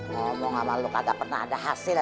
ngomong sama lo kagak pernah ada hati lo